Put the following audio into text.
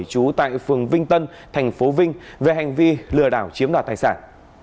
trú tại phường vinh tân thành phố vinh về hành vi lừa đảo chiếm đoạt tài sản